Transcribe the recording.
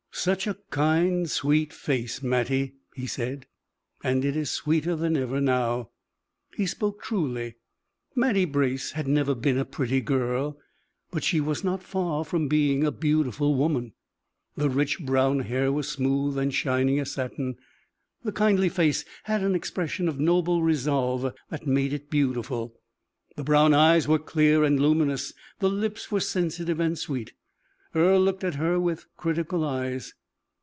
"Such a kind, sweet face, Mattie," he said: "and it is sweeter than ever now." He spoke truly. Mattie Brace had never been a pretty girl, but she was not far from being a beautiful woman. The rich brown hair was smooth and shining as satin; the kindly face had an expression of noble resolve that made it beautiful; the brown eyes were clear and luminous; the lips were sensitive and sweet. Earle looked at her with critical eyes.